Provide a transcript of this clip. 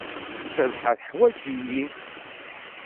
Cabḥa teḥwaǧ-iyi.